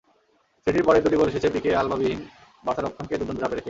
সিটির পরের দুটি গোল এসেছে পিকে-আলবাবিহীন বার্সা রক্ষণকে দুর্দান্ত চাপে রেখে।